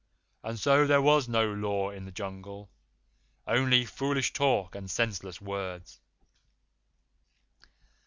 And so there was no Law in the Jungle only foolish talk and senseless words.